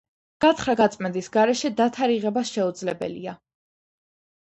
გათხრა-გაწმენდის გარეშე დათარიღება შეუძლებელია.